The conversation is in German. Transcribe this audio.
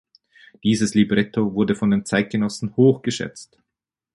Dieses Libretto wurde von den Zeitgenossen hoch geschätzt.